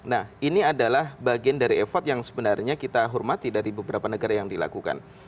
nah ini adalah bagian dari effort yang sebenarnya kita hormati dari beberapa negara yang dilakukan